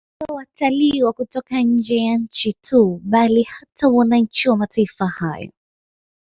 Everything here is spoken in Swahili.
Siyo watalii wa kutoka nje ya nchi tu bali hata wananchi wa mataifa hayo